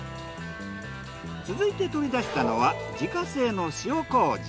続いて取り出したのは自家製の塩糀。